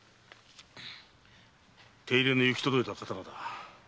手入れの行き届いた刀だ。